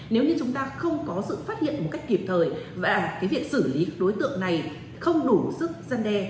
nếu như chúng ta không có sự phát hiện một cách kịp thời và cái việc xử lý đối tượng này không đủ sức dân đe